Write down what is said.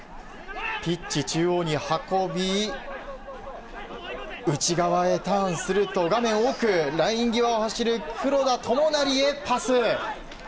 ピッチ中央に運び内側にターンすると画面奥、ライン際を走る黒田智成へパス。